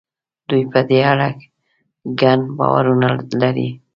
دوی په دې اړه ګڼ باورونه لري.